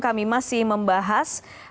kami masih membahas